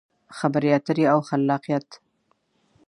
خبرې اترې او خلاقیت: